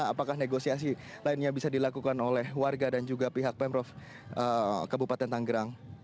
apakah negosiasi lainnya bisa dilakukan oleh warga dan juga pihak pemprov kabupaten tanggerang